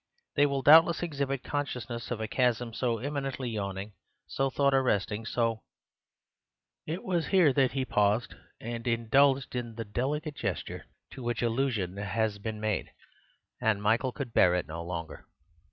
They will doubtless exhibit consciousness of a chasm so eminently yawning, so thought arresting, so—" It was here that he paused and indulged in the delicate gesture to which allusion has been made; and Michael could bear it no longer.